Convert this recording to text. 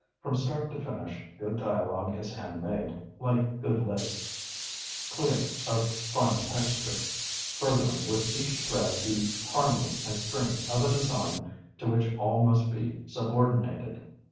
From start to finish good dialogue is hand made, like good lace; clear, of fine texture, furthering with each thread the harmony and strength of a design to which all must be subordinated.